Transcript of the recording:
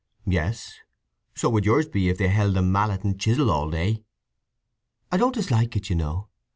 "Yes. So would yours be if they held a mallet and chisel all day." "I don't dislike it, you know.